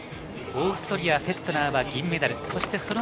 オーストリア、フェットナーは銀メダル。